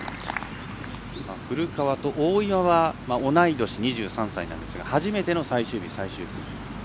古川と大岩は同い年２３歳なんですが初めての最終日、最終組。